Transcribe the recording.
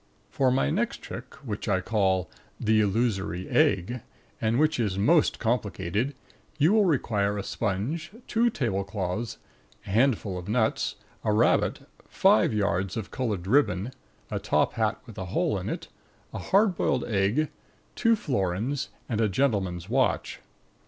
For my next trick, which I call THE ILLUSORY EGG and which is most complicated, you require a sponge, two tablecloths, a handful of nuts, a rabbit, five yards of coloured ribbon, a top hat with a hole in it, a hard boiled egg, two florins and a gentleman's watch.